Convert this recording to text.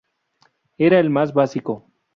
Era el más básico.